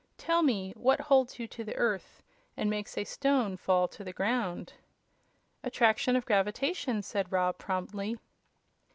Tell me, what holds you to the Earth, and makes a stone fall to the ground?" "Attraction of gravitation," said Rob, promptly.